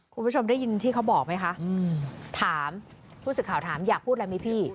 คุณผู้ชมได้ยินที่เขาบอกไหมคะถามผู้สื่อข่าวถามอยากพูดอะไรไหมพี่